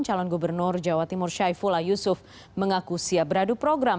calon gubernur jawa timur syaifullah yusuf mengaku siap beradu program